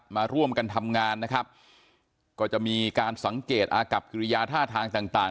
มาร่วมกันทำงานนะครับก็จะมีการสังเกตอากับกิริยาท่าทางต่างต่าง